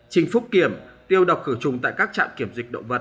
trình phúc kiểm tiêu độc khử trùng tại các trạm kiểm dịch động vật